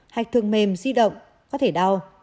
hạch thường mềm di động có thể đau